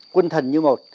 quân thần như một